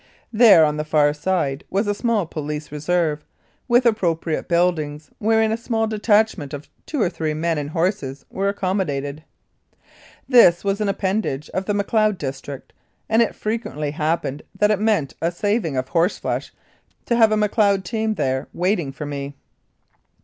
There, on the far side, was a small police reserve, with appropriate buildings, wherein a small detachment of two or three men and horses were accommodated. This was an appanage of the Macleod district, and it frequently happened that it meant a saving of horseflesh to have a Macleod team there wait ing for me.